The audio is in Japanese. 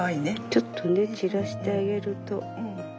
ちょっとね散らしてあげると。